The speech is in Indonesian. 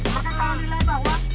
mereka tahu bahwa